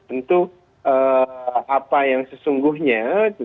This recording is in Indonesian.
tentu apa yang sesungguhnya